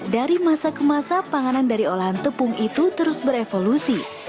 dari masa ke masa panganan dari olahan tepung itu terus berevolusi